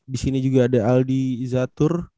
disini juga ada aldi zathur